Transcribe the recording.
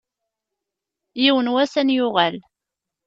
Yiwen n wass ad n-yuɣal.